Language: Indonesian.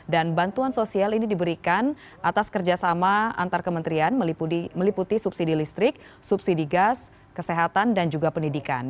dan bantuan sosial ini diberikan atas kerjasama antar kementerian meliputi subsidi listrik subsidi gas kesehatan dan juga pendidikan